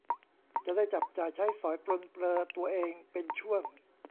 จะได้จับจ่ายใช้สอยปรนเปรอตัวเองเป็นช่วง